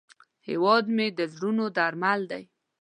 هیواد مې د زړونو درمل دی